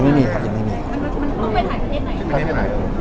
ไปที่ประเทศไหนครับ